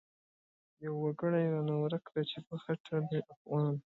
يو وګړی رانه ورک دی چی په خټه دی افغان